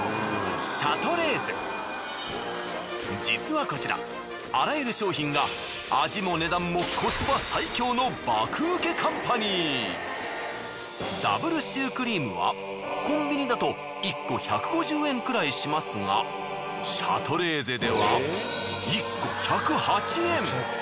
実はこちらあらゆる商品が味も値段もダブルシュークリームはコンビニだと１個１５０円くらいしますがシャトレーゼでは１個１０８円！